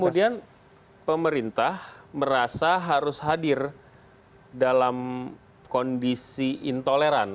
kemudian pemerintah merasa harus hadir dalam kondisi intoleran